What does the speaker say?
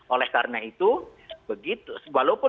oleh karena itu begitu